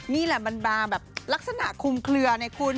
นี่แหละมันบางแบบลักษณะคุมเคลือไงคุณ